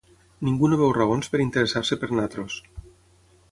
Ningú no veu raons per interessar-se per nosaltres.